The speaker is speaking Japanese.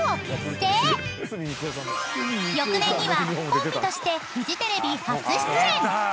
［翌年にはコンビとしてフジテレビ初出演］